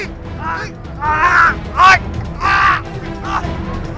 เอาล่ะเร็วเร็วเร็วเร็วเร็วเร็ว